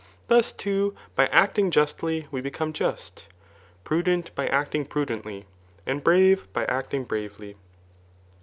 Thus too, by acting justly Ve become just, prudent by acting prudently, and brave by actmg bravely.